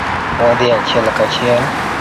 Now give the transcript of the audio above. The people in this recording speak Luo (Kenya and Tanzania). Wadhi achiel kachiel.